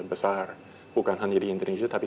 besar bukan hanya di indonesia tapi